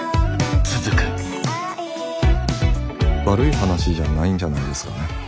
悪い話じゃないんじゃないですかね。